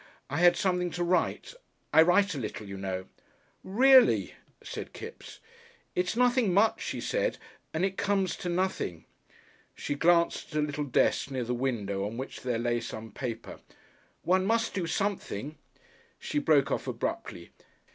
I had something to write. I write a little, you know." "Reely!" said Kipps. "It's nothing much," she said, "and it comes to nothing." She glanced at a little desk near the window, on which there lay some paper. "One must do something." She broke off abruptly.